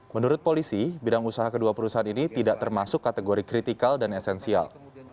menurut polisi bidang usaha kedua perusahaan ini tidak termasuk kategori kritikal dan esensial